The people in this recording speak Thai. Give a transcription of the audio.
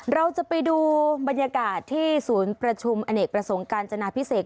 เราจะไปดูบรรยากาศที่ศูนย์ประชุมอเนกประสงค์การจนาพิเศษ